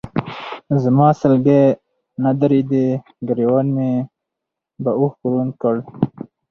زما سلګۍ نه درېدې، ګرېوان مې به اوښکو لوند کړ.